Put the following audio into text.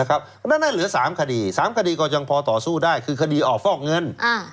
เพราะฉะนั้นเหลือ๓คดี๓คดีก็ยังพอต่อสู้ได้คือคดีออกฟอกเงิน